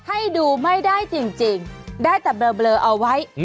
ให้ดูไม่ได้จริงได้แต่เบลอเอาไว้